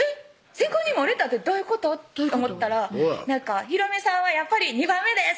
「選考に漏れた」ってどういうこと？と思ったら「弘美さんはやっぱり２番目です」